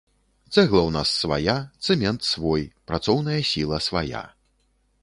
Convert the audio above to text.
Цэгла ў нас свая, цэмент свой, працоўная сіла свая.